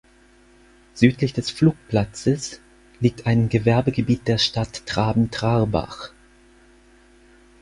Südlich des Flugplatzes liegt ein Gewerbegebiet der Stadt Traben-Trarbach.